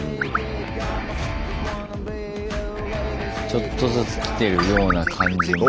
ちょっとずつ来てるような感じも。